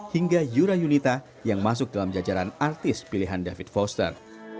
hingga yura yunita yang masuk dalam jajaran artis pilihan david foster